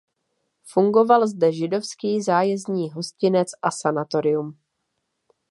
Fungoval zde židovský zájezdní hostinec a sanatorium.